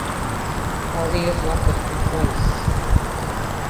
Paldies, vakars būs baiss.